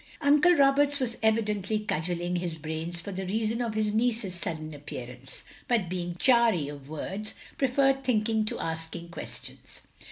" Uncle Roberts was evidently cudgelling his brains for the reason of his niece's sudden ap pearance; but being chary of words, preferred thinking to asking questions.